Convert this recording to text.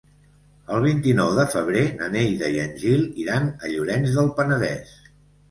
El vint-i-nou de febrer na Neida i en Gil iran a Llorenç del Penedès.